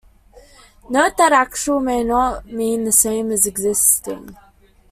Note that "actual" may not mean the same as "existing".